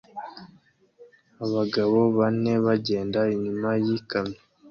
Abagabo bane bagenda inyuma yikamyo